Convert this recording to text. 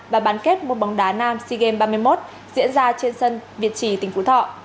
và bán kết mua bóng đá nam c game ba mươi một diễn ra trên sân việt trì tỉnh phú thọ